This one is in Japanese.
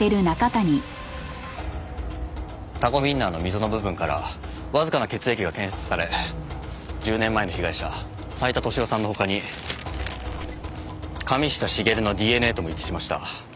タコウインナーの溝の部分からわずかな血液が検出され１０年前の被害者斉田利夫さんの他に神下茂のＤＮＡとも一致しました。